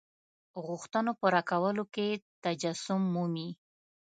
غوښتنو پوره کولو کې تجسم مومي.